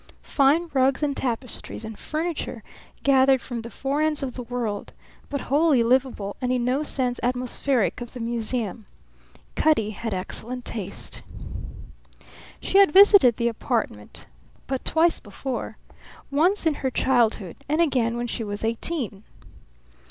Fine rugs and tapestries and furniture gathered from the four ends of the world; but wholly livable and in no sense atmospheric of the museum. Cutty had excellent taste. She had visited the apartment but twice before, once in her childhood and again when she was eighteen.